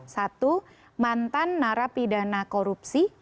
satu mantan narapidana korupsi